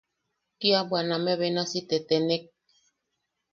Kia bwaname benasi tetenek.